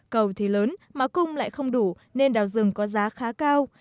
cầu thì lớn mà cung lại không đủ nên đào rừng có giá khá cao